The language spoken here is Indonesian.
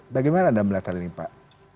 bagaimana anda melihat hal ini pak